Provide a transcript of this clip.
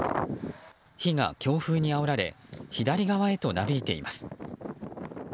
火が強風にあおられ左側へとなびいています。